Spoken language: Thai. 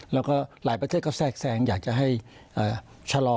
แล้วก็หลายประเทศก็แทรกแทรงอยากจะให้ชะลอ